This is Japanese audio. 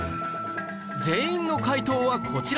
全員の解答はこちら